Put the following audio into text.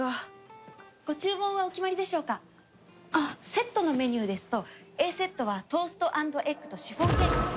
セットのメニューですとＡセットはトースト＆エッグとシフォンケーキのセット。